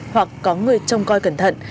hoặc có người trông coi cẩn thận